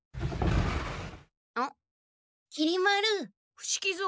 伏木蔵。